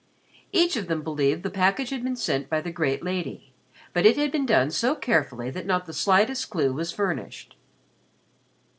Each of them believed the package had been sent by the great lady, but it had been done so carefully that not the slightest clue was furnished.